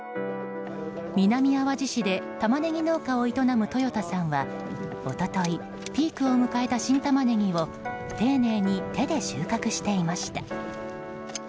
南あわじ市でタマネギ農家を営む豊田さんは一昨日、ピークを迎えた新タマネギを丁寧に手で収穫していました。